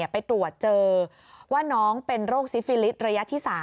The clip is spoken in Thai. ไปตรวจเจอว่าน้องเป็นโรคซิฟิลิสระยะที่๓